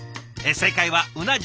正解はうな重。